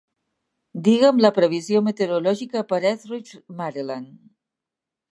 Diga'm la previsió meteorològica per a Ethridge, Maryland